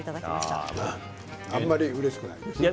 あんまりうれしくない？